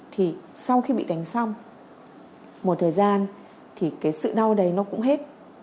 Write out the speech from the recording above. thì sau khi bị đánh xong một thời gian thì cái sự đau đấy nó cũng hết